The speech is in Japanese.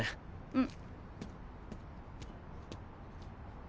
うん。